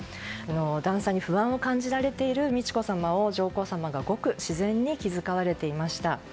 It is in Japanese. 段差に不安を感じられている美智子さまを上皇さまがごく自然に気遣われていました。